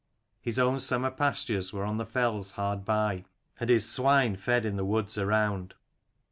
His own summer pastures were on the fells hard by, and his swine fed in the woods around.